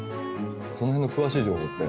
その辺の詳しい情報って聞いてます？